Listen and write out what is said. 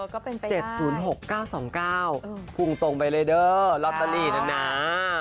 ก็เป็นไปได้๗๐๖๙๒๙ภูมิตรงไปเลยเด้อลอตเตอรี่น่า